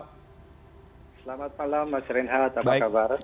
selamat malam mas reinhardt apa kabar